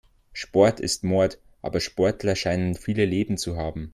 Sport ist Mord, aber Sportler scheinen viele Leben zu haben.